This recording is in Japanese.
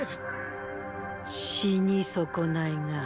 死に損ないが。